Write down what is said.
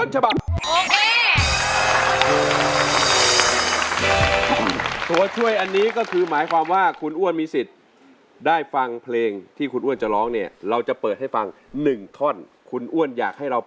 ใช่ไหมขอบคุณสวรรค์เมตตาประธานอายมายาจัย